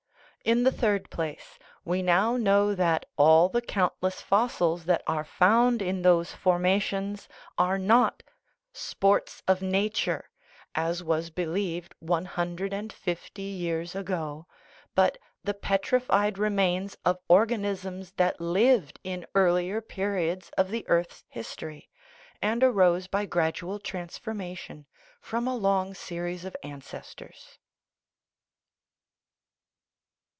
In the third place, we now know that all the countless fossils that are found in those forma tions are not " sports of nature/' as was believed one hundred and fifty years ago, but the petrified remains of organisms that lived in earlier periods of the earth's history, and arose by gradual transformation from a long series of ancestors.